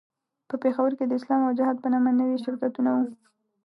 په پېښور کې د اسلام او جهاد په نامه نوي شرکتونه وو.